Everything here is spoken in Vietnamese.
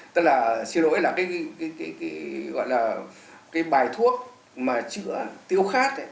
tức là xin lỗi là cái bài thuốc mà chữa tiêu khát